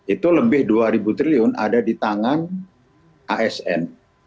itu lebih rp dua triliun ada di tangga asn